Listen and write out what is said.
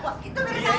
lo keluar dari sini